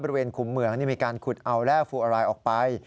ขุมเหมืองมีการขุดเอาแร่ฟูอารายออกไป